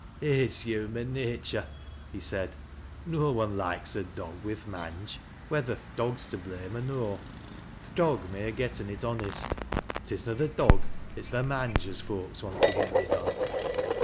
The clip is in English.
" It's human natur','' he said. " No one loikcs a doi; wi' th' mange, whether th' dog's to blame or no. Th' do£ may ha' getten it honest. 'Tis na th' dog, it's the mange 09, foakes want to get rid on."